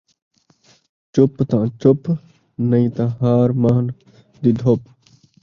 چُپ تاں چُپ ، نئیں تاں ہاڑ مان٘ھ دی دُھپ